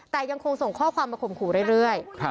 แต่ยังคงส่งข้อความมาข่มขู่เรื่อย